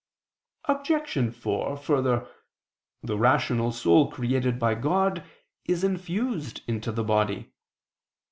Obj. 4: Further, the rational soul created by God is infused into the body.